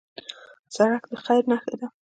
سړک د خیر نښه ده.